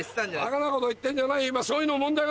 ばかなこと言ってんじゃない！